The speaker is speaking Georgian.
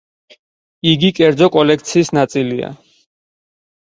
იგი კერძო კოლექციის ნაწილია.